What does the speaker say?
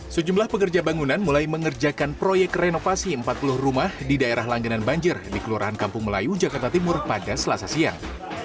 sejumlah pekerja bangunan mulai mengerjakan proyek renovasi empat puluh rumah di daerah langganan banjir di kelurahan kampung melayu jakarta timur pada selasa siang